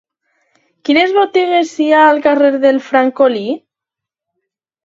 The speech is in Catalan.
Quines botigues hi ha al carrer del Francolí?